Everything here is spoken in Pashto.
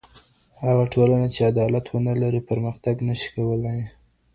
هغه ټولنه چی عدالت ونه لري پرمختګ نشي کولای.